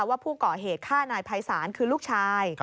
ว่าผู้ก่อเหตุฆ่านายภัยศาลคือลูกชาย